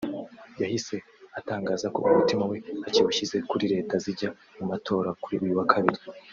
yahise atangaza ko umutima we akiwushyize kuri leta zijya mu matora kuri uyu wa Kabiri